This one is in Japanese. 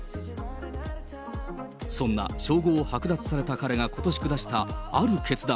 そんな称号剥奪された彼がことし下したある決断。